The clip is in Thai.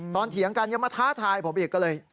เถียงกันยังมาท้าทายผมอีกก็เลย